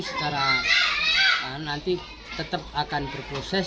secara nanti tetap akan berproses